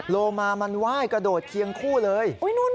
โลมามันไหว้กระโดดเคียงคู่เลย